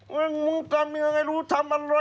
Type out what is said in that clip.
มึงกำยังไงรู้ทำอะไร